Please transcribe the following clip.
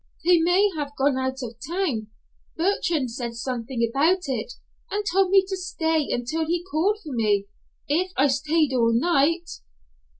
"They may have gone out of town. Bertrand said something about it, and told me to stay until he called for me, if I stayed all night."